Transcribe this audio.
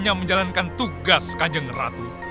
saya menjalankan tugas kajeng ratu